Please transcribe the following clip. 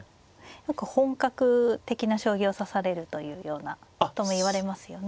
何か本格的な将棋を指されるというようなこともいわれますよね。